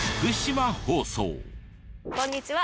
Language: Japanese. こんにちは。